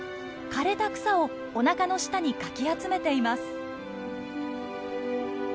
枯れた草をおなかの下にかき集めています。